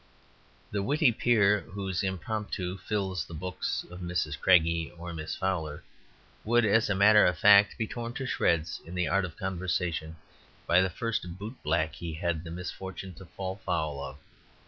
The witty peer whose impromptus fill the books of Mrs. Craigie or Miss Fowler, would, as a matter of fact, be torn to shreds in the art of conversation by the first boot black he had the misfortune to fall foul of.